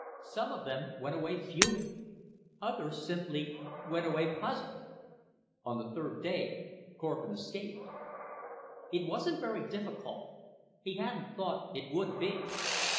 Some of them went away fuming. Others simply went away, puzzled. On the third day Korvin escaped. It wasn't very difficult; he hadn't thought it would be.